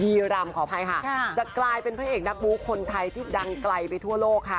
ีรำขออภัยค่ะจะกลายเป็นพระเอกนักบู๊คนไทยที่ดังไกลไปทั่วโลกค่ะ